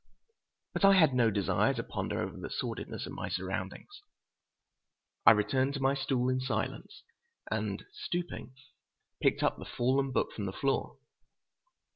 But I had no desire to ponder over the sordidness of my surroundings. I returned to my stool in silence, and stooping, picked up the fallen book from the floor.